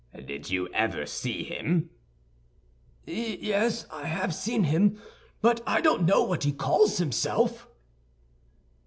"Did you never see him?" "Yes, I have seen him, but I don't know what he calls himself."